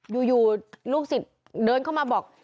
อยู่ลูกสิทธิ์เดินเข้ามาบอก